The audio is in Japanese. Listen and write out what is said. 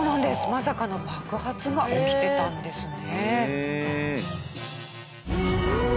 まさかの爆発が起きてたんですね。